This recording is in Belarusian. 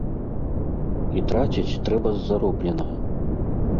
І траціць трэба з заробленага.